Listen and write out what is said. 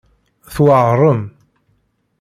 Tweɛrem.